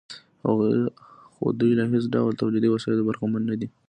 خو دوی له هېڅ ډول تولیدي وسایلو برخمن نه دي